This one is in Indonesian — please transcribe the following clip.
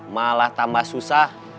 malah tambah susah